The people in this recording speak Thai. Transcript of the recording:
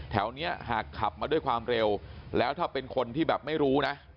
แถวนี้หากขับมาด้วยความเร็วแล้วถ้าเป็นคนที่แบบไม่รู้นะ